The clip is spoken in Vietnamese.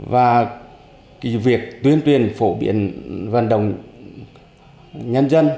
và việc tuyên tuyển phổ biển vận động nhân dân